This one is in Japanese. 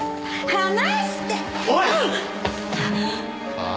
ああ？